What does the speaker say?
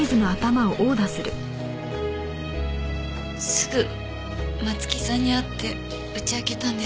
すぐ松木さんに会って打ち明けたんですが。